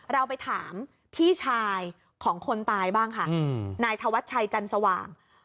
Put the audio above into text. เราไปถามพี่ชายของคนตายบ้างค่ะนายธวัชชัยจันสว่าง